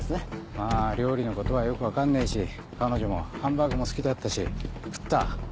まぁ料理のことはよく分かんねえし彼女もハンバーグも好きだったし食った。